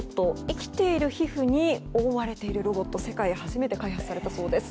生きている皮膚に覆われているロボットが世界で初めて開発されたそうです。